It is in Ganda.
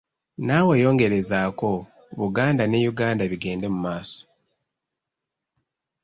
Nawe yongerezaako Buganda ne Uganda bigende mu maaso